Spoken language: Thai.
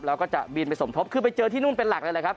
แล้วก็จะบินไปสมทบคือไปเจอที่นู่นเป็นหลักเลยแหละครับ